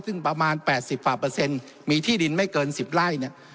ซึ่งประมาณ๘๐ฝ่าเปอร์เซ็นต์มีที่ดินไม่เกิน๑๐ไร่เนี่ย